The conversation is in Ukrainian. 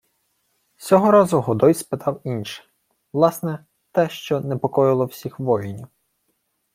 Сього разу Годой спитав інше: власне, те, що непокоїло всіх воїв.